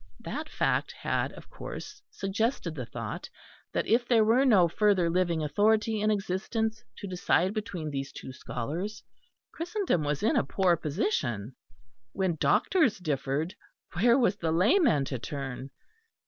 That fact had, of course, suggested the thought that if there were no further living authority in existence to decide between these two scholars, Christendom was in a poor position. When doctors differed, where was the layman to turn?